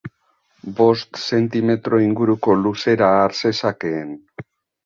Bost zentimetro inguruko luzera har zezakeen.